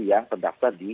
yang terdaftar di